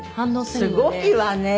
すごいわね！